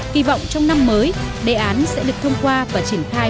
kỳ vọng trong năm mới đề án sẽ được thông qua và triển khai